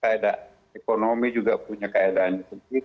kaedah ekonomi juga punya kaedahnya sendiri